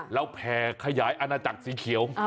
แล้วแผ่ขยายอาณาจักรสีเขียว